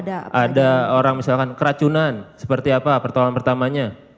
ada orang misalkan keracunan seperti apa pertolongan pertamanya